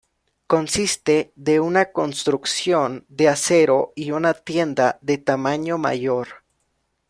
Consiste de una construcción de acero y una tienda de tamaño mayor.